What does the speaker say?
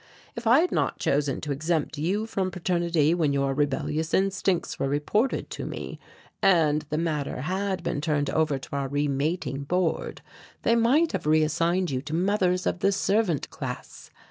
If I had not chosen to exempt you from paternity when your rebellious instincts were reported to me, and the matter had been turned over to our Remating Board they might have reassigned you to mothers of the servant class.